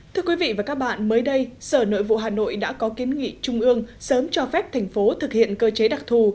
thưa quý vị và các bạn mới đây sở nội vụ hà nội đã có kiến nghị trung ương sớm cho phép thành phố thực hiện cơ chế đặc thù